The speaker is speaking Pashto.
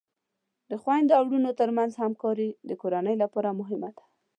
د خویندو او ورونو ترمنځ همکاری د کورنۍ لپاره مهمه ده.